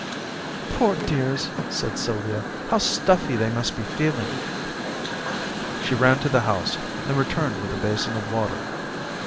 "Poor dears!" said Sylvia. "How stuffy they must be feeling!" She ran to the house, and returned with a basin of water.